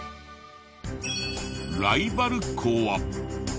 ライバル校は。